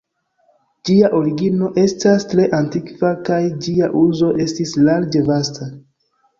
Ĝia origino estas tre antikva, kaj ĝia uzo estis larĝe vasta.